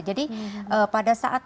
jadi pada saat